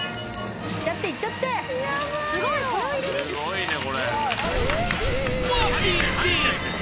いっちゃっていっちゃってすごいそれを入れるんですね。